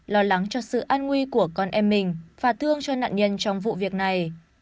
lo lắng cho sự an nguy của con em mình và thương cho nạn nhân trong vụ việc này